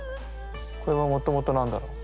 これはもともと何だろう？